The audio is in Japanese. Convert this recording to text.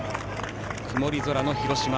曇り空の広島。